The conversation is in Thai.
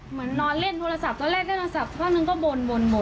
เหมือนนอนเล่นโทรศัพท์ตอนแรกเล่นโทรศัพท์ท่านึงก็บน